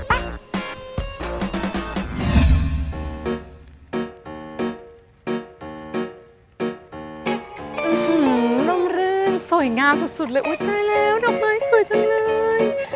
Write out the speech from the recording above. อืมร่มรื่นสวยงามสุดเลยอุ๊ยตายแล้วดอกไม้สวยจังเลย